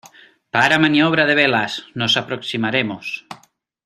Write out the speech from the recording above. para maniobra de velas. nos aproximaremos